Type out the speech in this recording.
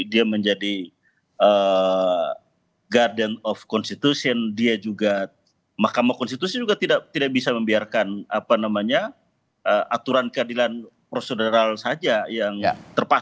dia menjadi guardian of constitution dia juga mk juga tidak bisa membiarkan apa namanya aturan keadilan prosedural saja yang terpakai